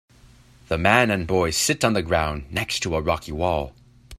The man and boy sit on the ground, next to a rocky wall.